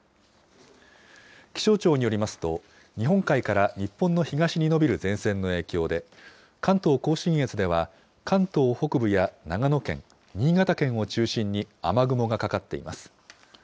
気象庁によりますと、日本海から日本の東に延びる前線の影響で、関東甲信越では関東北部や長野県、新潟県を中心に雨雲がかかっています。